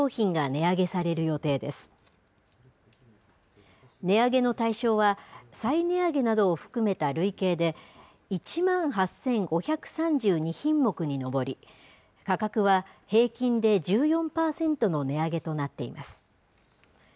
値上げの対象は、再値上げなどを含めた累計で、１万８５３２品目に上り、価格は平均で１４％の値上げとなっています。